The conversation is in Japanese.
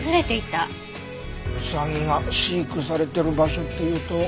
ウサギが飼育されてる場所っていうと。